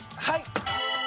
はい。